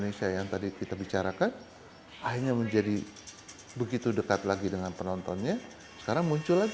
pusaya istana kita itu tidak bisa spesifikasi untuk dua ribu dua puluh